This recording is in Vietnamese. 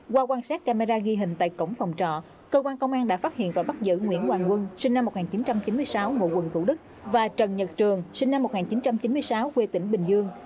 qua quan sát camera ghi hình tại cổng phòng trọ cơ quan công an đã phát hiện và bắt giữ nguyễn hoàng quân sinh năm một nghìn chín trăm chín mươi sáu ngụ quận thủ đức và trần nhật trường sinh năm một nghìn chín trăm chín mươi sáu quê tỉnh bình dương